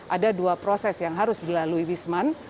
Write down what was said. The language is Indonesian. ada dua proses yang harus dilalui wisman